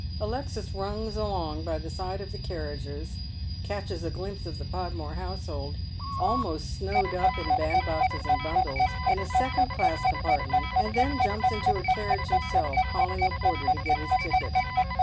Alexis runs along by the side of the carnages, catches a glimpse of the Podmore household, almost snowed up in bandboxes and bundles, in a second class compartment, and then jumps into a carriage himsslf, calling to a porter to get liis ticket.